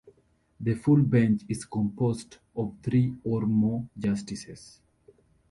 The Full Bench is composed of three or more justices.